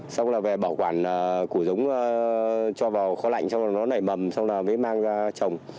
xong là về bảo quản củ giống cho vào kho lạnh xong rồi nó nảy mầm xong là mới mang ra trồng